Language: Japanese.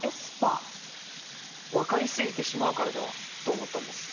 分かり過ぎてしまうからではと思ったんです。